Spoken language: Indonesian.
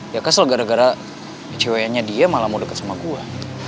ya kesel gara gara ceweknya dia malah mau deket sama gue